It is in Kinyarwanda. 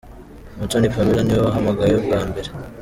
Umutoni Pamela niwe wahamagawe bwa mbere.